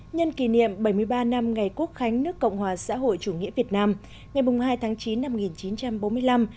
nhân kỷ niệm bảy mươi ba năm ngày quốc khánh nước cộng hòa xã hội chủ nghĩa việt nam ngày hai tháng chín năm một nghìn chín trăm bốn mươi năm